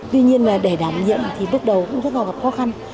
tuy nhiên là để đảm nhiệm thì bước đầu cũng rất là gặp khó khăn